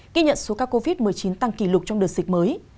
ghi nhận số ca covid một mươi chín tăng kỷ lục trong đợt dịch mới